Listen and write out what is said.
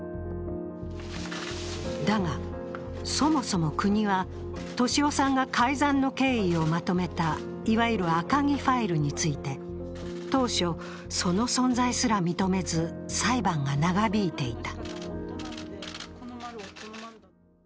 だが、そもそも国は、俊夫さんが改ざんの経緯をまとめたいわゆる赤木ファイルについて当初、その存在すら認めず裁判が長引いていた。